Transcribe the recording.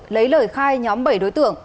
lấy lời khai nhóm bảy đối tượng